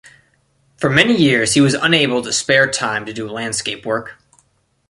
For many years he was unable to spare time to do landscape work.